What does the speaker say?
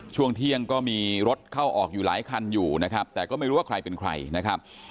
ช่วงเที่ยงก็มีรถเข้าออกอยู่หลายคันอยู่นะครับแต่ก็ไม่รู้ว่าใครเป็นใครนะครับ